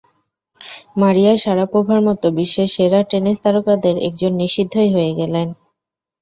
মারিয়া শারাপোভার মতো বিশ্বের সেরা টেনিস তারকাদের একজন নিষিদ্ধই হয়ে গেলেন।